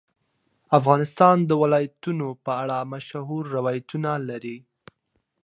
افغانستان د ولایتونو په اړه مشهور روایتونه لري.